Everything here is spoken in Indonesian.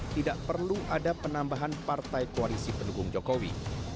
tidak perlu ada penambahan partai koalisi pendukung jokowi